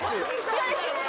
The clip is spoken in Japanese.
違いますよ